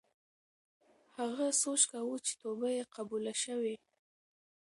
هغه سوچ کاوه چې توبه یې قبوله شوې.